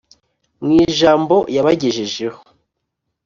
Mu ijambo yabagejejeho